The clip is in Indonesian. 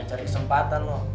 cari kesempatan loh